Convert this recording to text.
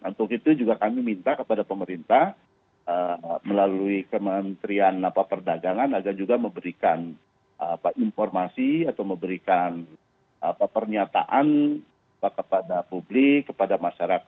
untuk itu juga kami minta kepada pemerintah melalui kementerian perdagangan agar juga memberikan informasi atau memberikan pernyataan kepada publik kepada masyarakat